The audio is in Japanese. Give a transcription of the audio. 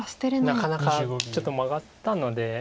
なかなかちょっとマガったので。